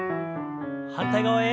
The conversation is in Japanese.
反対側へ。